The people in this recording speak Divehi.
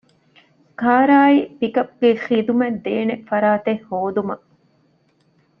ކާރާއި ޕިކަޕްގެ ޚިދުމަތްދޭނެ ފަރާތެއް ހޯދުމަށް